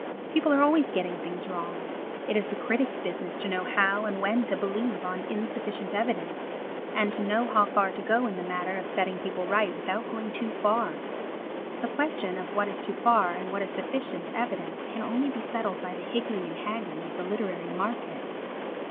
People are always getting things wrong. It is the critic's business to know how and when to believe on insufficient evidence and to know how far to go in the matter of setting people right without going too far; the question of what is too far and what is sufficient evidence can only be settled by the higgling and haggling of the literary market.